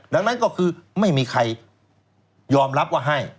ดังนั้นก็คือไม่มีใครยอมรับว่าให้